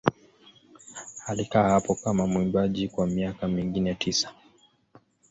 Alikaa hapo kama mwimbaji kwa miaka mingine tisa.